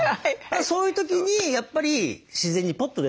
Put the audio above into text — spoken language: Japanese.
そういう時にやっぱり自然にポッと出てひとりで。